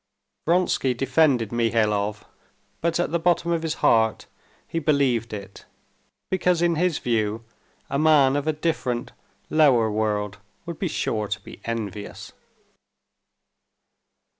Vronsky defended Mihailov, but at the bottom of his heart he believed it, because in his view a man of a different, lower world would be sure to be envious.